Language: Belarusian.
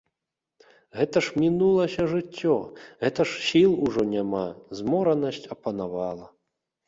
Гэта ж мінулася жыццё, гэта ж сіл ужо няма, зморанасць апанавала.